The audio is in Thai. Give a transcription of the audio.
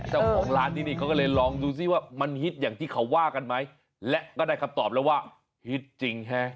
เจ้าของร้านที่นี่เขาก็เลยลองดูซิว่ามันฮิตอย่างที่เขาว่ากันไหมและก็ได้คำตอบแล้วว่าฮิตจริงฮะ